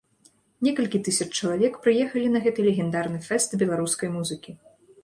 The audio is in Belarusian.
Некалькі тысяч чалавек прыехалі на гэты легендарны фэст беларускай музыкі.